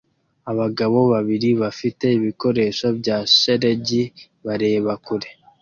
Abagabo babiri bafite ibikoresho bya shelegi bareba kure